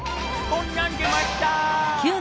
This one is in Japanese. こんなん出ました。